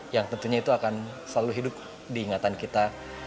yang tentunya itu akan selalu hidup diingatan kita